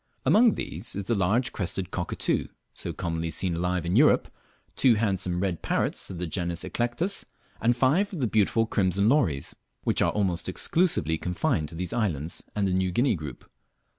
Among these is the large red crested cockatoo, so commonly seen alive in Europe, two handsome red parrots of the genus Eclectus, and five of the beautiful crimson lories, which are almost exclusively confined to these islands and the New Guinea group.